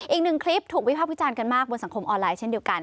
อีกหนึ่งคลิปถูกวิภาควิจารณ์กันมากบนสังคมออนไลน์เช่นเดียวกัน